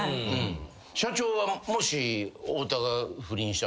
社長はもし。